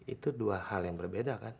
itu dua hal yang berbeda kan